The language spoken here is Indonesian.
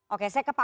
oke saya ke pak